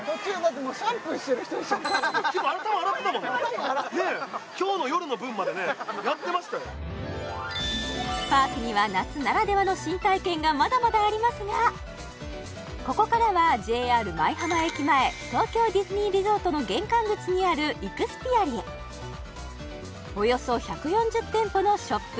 きむ頭洗ってたもんなパークには夏ならではの新体験がまだまだありますがここからはＪＲ舞浜駅前東京ディズニーリゾートの玄関口にあるイクスピアリへおよそ１４０店舗のショップ